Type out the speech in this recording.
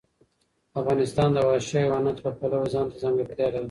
افغانستان د وحشي حیواناتو له پلوه ځانته ځانګړتیا لري.